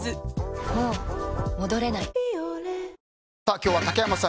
今日は竹山さん